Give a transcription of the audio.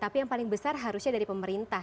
tapi yang paling besar harusnya dari pemerintah